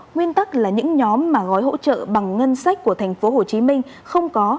nguyên tắc là những nhóm mà gói hỗ trợ bằng ngân sách của thành phố hồ chí minh không có